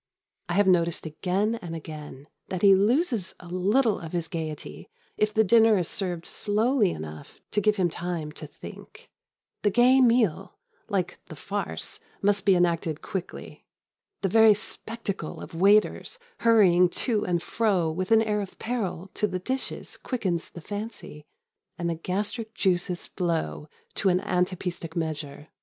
I have noticed again and again that he loses a little of his gaiety if the dinner is served slowly enough to give him time to think. The gay meal, like the farce, must be enacted quickly. The very spectacle of waiters hurrying to and fro with an air of peril to the dishes quickens the fancy, and the gastric juices flow to an anapæstic measure.